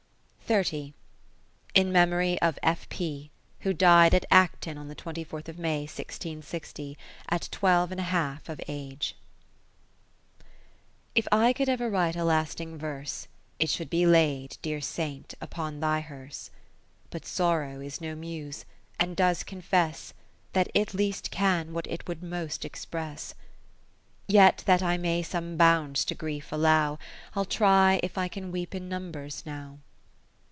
m Katherine Philips In Memory of F. P. who died at Acton on the 24 of May, 1660, at Twelve and an Half of Age If I could ever write a lasting verse, It should be laid, dear Saint, upon thy hearse. But Sorrow is no Muse, and does confess, That it least can, what it would most express. Yet that I may some bounds to Grief allow, I'll try if I can weep in numbers now.